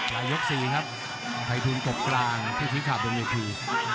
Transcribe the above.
ปลายยก๔ครับไฟทุนตกกลางที่ที่ขาบบนเยอีพี